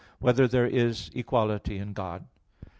1] Whether There Is Equality in God?